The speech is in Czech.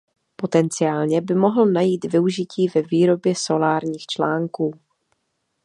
Potenciálně by mohl najít využití ve výrobě solárních článků.